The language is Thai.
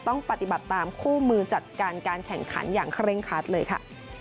ต้องปฏิบัติตามคู่มือจัดการการแข่งขันอย่างเคร่งคัดเลยค่ะ